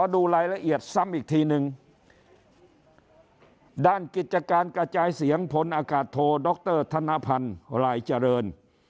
ด้านกิจการกระจายเสียงผลอากาศโทดรธนพรรณลายเจริญ